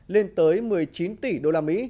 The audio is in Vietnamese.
lên tới một mươi chín tỷ đô la mỹ